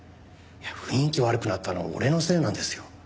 雰囲気悪くなったの俺のせいなんですよ。